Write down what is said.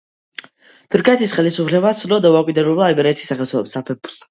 თურქეთის ხელისუფლებამ ცნო დამოუკიდებლობა იმერეთის სამეფოსაგან.